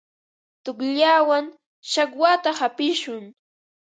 Tuqllawan chakwata hapishun.